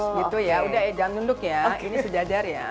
gitu ya udah eh jangan nunduk ya ini sejajar ya